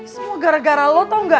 semoga gara gara lo tau gak